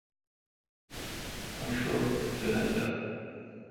اوں شوک کینتھ یال۔